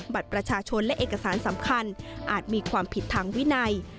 บัตรประชาชนและเอกสารสำคัญอาจมีความผิดทางวินัย